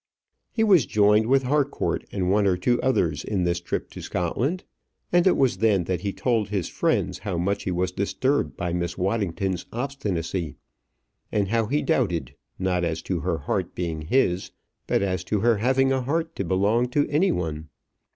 He was joined with Harcourt and one or two others in this trip to Scotland, and it was then that he told his friend how much he was disturbed by Miss Waddington's obstinacy; and how he doubted, not as to her heart being his, but as to her having a heart to belong to any one.